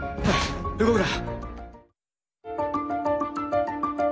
動くな！